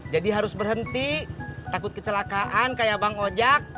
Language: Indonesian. jadi harus berhenti takut kecelakaan kayak bang ojak